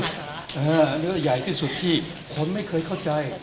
อันนี้ใหญ่ที่สุดที่คนไม่เคยเข้าใจ